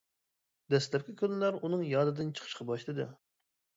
دەسلەپكى كۈنلەر ئۇنىڭ يادىدىن چىقىشقا باشلىدى.